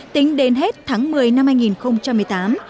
tính đến hết tháng một mươi năm hai nghìn một mươi tám